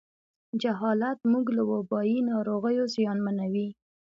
جهالت موږ له وبایي ناروغیو زیانمنوي.